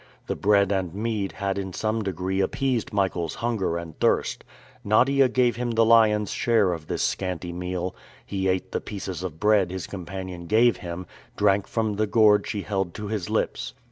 The bread and mead had in some degree appeased Michael's hunger and thirst. Nadia gave him the lion's share of this scanty meal. He ate the pieces of bread his companion gave him, drank from the gourd she held to his lips.